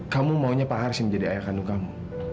kamu maunya pak harsin jadi ayah kandung kamu